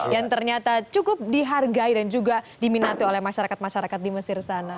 yang ternyata cukup dihargai dan juga diminati oleh masyarakat masyarakat di mesir sana